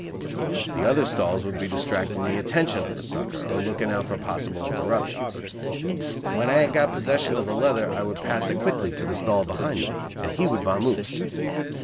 The other stalls would be distracting the attention of the sucker, or looking out for possible interruptions. When I had got possession of the leather I would pass it quickly to the stall behind me, and he would "vamoose."